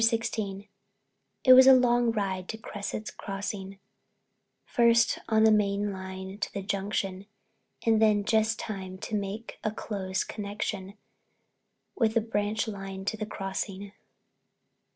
XVI It was a long ride to Cresset's Crossing, first on the main line to the Junction and then just time to make a close connection with the branch line to the Crossing.